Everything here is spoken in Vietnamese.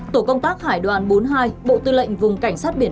tổ công tác hải đoàn bốn mươi hai bộ tư lệnh vùng cảnh sát biển